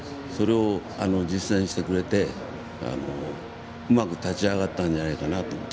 それを実際にしてくれてうまく立ち上がったんじゃないかなと。